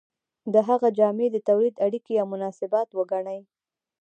د هغه جامې د تولید اړیکې یا مناسبات وګڼئ.